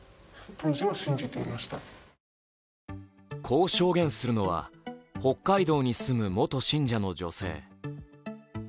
こう証言するのは、北海道に住む元信者の女性。